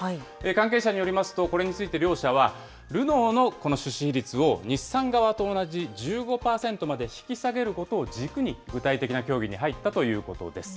関係者によりますと、これについて両社は、ルノーのこの出資比率を、日産側と同じ１５％まで引き下げることを軸に、具体的な協議に入ったということです。